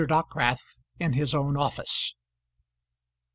DOCKWRATH IN HIS OWN OFFICE.